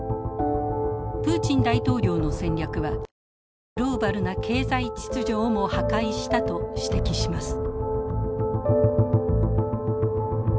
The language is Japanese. プーチン大統領の戦略はグローバルな経済秩序をも破壊したと指摘します。